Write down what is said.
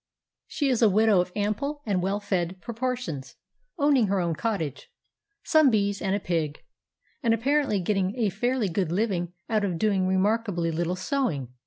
She is a widow of ample and well fed proportions, owning her cottage, some bees and a pig, and apparently getting a fairly good living out of doing remarkably little sewing.